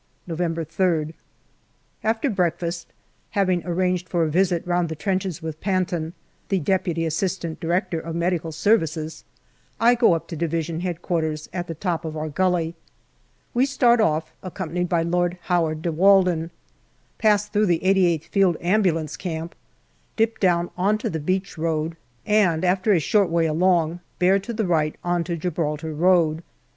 November 3rd. After breakfast, having arranged for a visit round the trenches with Panton, the D.A.D.M.S., I go up to D.H.Q. at the top of our gully. We start off, accompanied by Lord Howard de Walden, pass through the 88th Field Ambulance camp, dip down on to the beach road, and after a short way along bear to the right on to Gibraltar road.